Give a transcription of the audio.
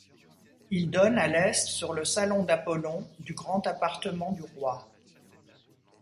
Il donne à l'est sur le salon d'Apollon du Grand Appartement du Roi.